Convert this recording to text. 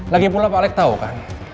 lagipula pak alec tau kan